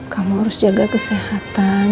kamu harus jaga kesehatan